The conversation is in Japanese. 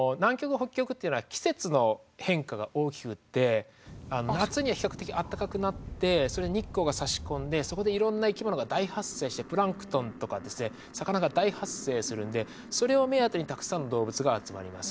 北極っていうのは季節の変化が大きくって夏には比較的暖かくなってそれに日光がさし込んでそこでいろんな生きものが大発生してプランクトンとかですね魚が大発生するんでそれを目当てにたくさんの動物が集まります。